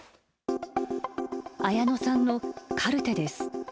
綾乃さんのカルテです。